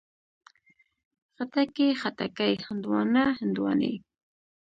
خټکی، خټکي، هندواڼه، هندواڼې